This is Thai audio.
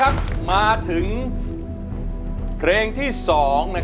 กลับมาเมื่อเวลาที่สุดท้าย